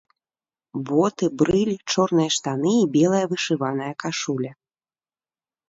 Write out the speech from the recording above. Боты, брыль, чорныя штаны і белая вышываная кашуля!